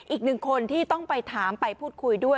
อีกหนึ่งคนที่ต้องไปถามไปพูดคุยด้วย